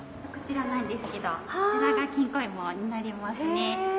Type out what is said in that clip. こちらなんですけどこちらがきんこ芋になりますね。